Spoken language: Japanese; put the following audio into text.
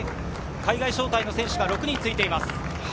海外招待の選手が６人ついています。